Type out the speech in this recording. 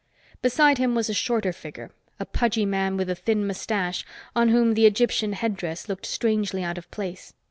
Beside him was a shorter figure: a pudgy man with a thin mustache, on whom the Egyptian headdress looked strangely out of place.